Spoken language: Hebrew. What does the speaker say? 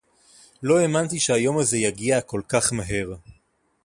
לא האמנתי שהיום הזה יגיע כל כך מהר.